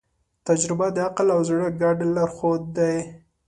تجربه د عقل او زړه ګډ لارښود دی.